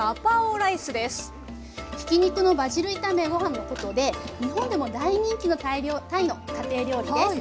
ひき肉のバジル炒めごはんのことで日本でも大人気のタイの家庭料理です。